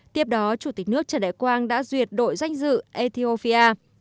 tiếp đó chủ tịch nước trần đại quang đã duyệt đội danh dự ethiophia